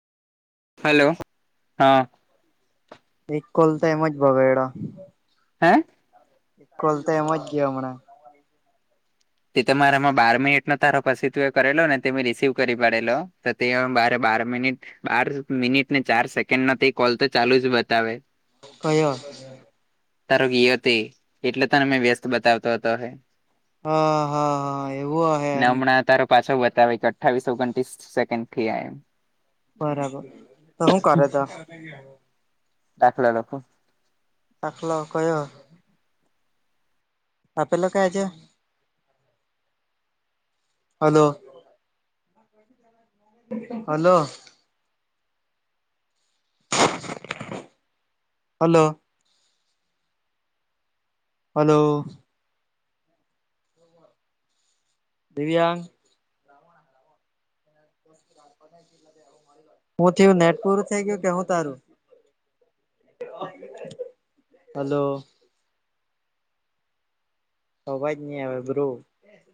Hello, હા. એક call તો એમજ ભગેડો હે? એકલ તો એમ જ ગયો હમણાં. તે તમારામાં બાર મિનિટનો તારો પછી તું એ કરેલો ને તે રિસીવ કરી પડેલો તો તે બાર બાર મિનિટ બાર મિનિટ ને ચાર સેકન્ડમાં તે કોલ તો ચાલુ જ બતાવે. કયો? તારો ઘી હતી એટલે તને મેં વ્યસ્ત બતાવતો હતો હ. હા હા હા એ. ને હમણાં તારો પાછો બતાવે કે અઠ્ઠાવીસ ઓગણત્રીસ સેકન્ડ થીઆ એમ. બરાબર તો હું કરે તો? દાખલા લખું દાખલો કયો? આ પેલો કયા છે? હલો. હલો. હલો. હલો. દિવ્યાંગ. [unintelligible] હું થીયું નેટ પુરુ થેઈ ગીયું કે હું તારું? હલો. અવાજ ની આવે બ્રો.